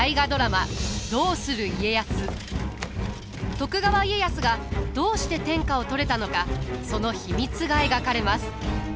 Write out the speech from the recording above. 徳川家康がどうして天下を取れたのかその秘密が描かれます。